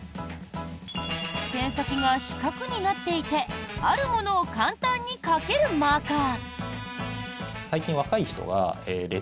ペン先が四角になっていてあるものを簡単に描けるマーカー。